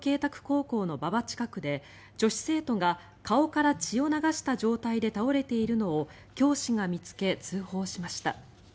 高校の馬場近くで女子生徒が顔から血を流した状態で倒れているのを教師が見つけ通報をしました。